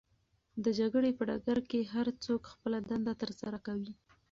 د جګړې په ډګر کې هرڅوک خپله دنده ترسره کوي.